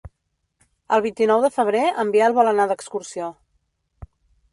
El vint-i-nou de febrer en Biel vol anar d'excursió.